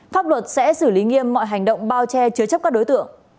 pháp luật sẽ xử lý nghiêm mọi hành động bao che chứa chấp các đối tượng